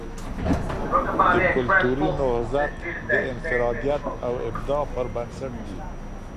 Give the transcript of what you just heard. د کلتوری نهضت د انفرادیت او ابداع پر بنسټ دی.